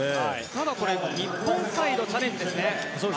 ただ、日本サイドチャレンジです。